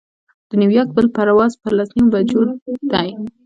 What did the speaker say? د نیویارک بل پرواز پر لس نیمو بجو دی.